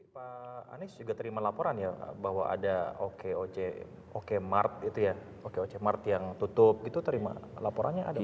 pak anies juga terima laporan ya bahwa ada oke oce mart yang tutup terima laporannya ada apa